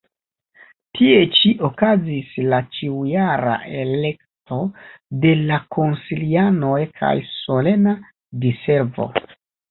Tie ĉi okazis la ĉiujara elekto de la konsilianoj kaj solena diservo.